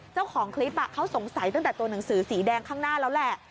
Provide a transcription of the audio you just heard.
เจ้าของคลิปเขาสงสัยตั้งแต่ตัวหนังสือสีแดงข้างหน้าแล้วแหละ